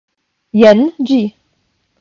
Jen ĝi